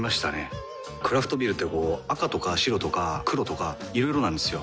クラフトビールってこう赤とか白とか黒とかいろいろなんですよ。